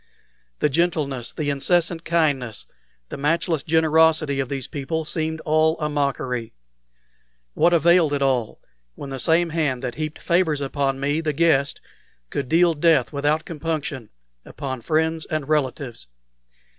The gentleness, the incessant kindness, the matchless generosity of these people seemed all a mockery. What availed it all when the same hand that heaped favors upon me, the guest, could deal death without compunction upon friends and relatives?